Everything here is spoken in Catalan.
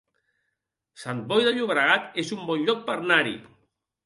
Sant Boi de Llobregat es un bon lloc per anar-hi